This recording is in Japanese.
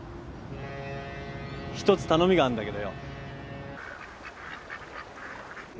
一つ頼みがあんだけどよ。